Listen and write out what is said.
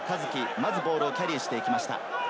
まずボールをキャリーしていきました。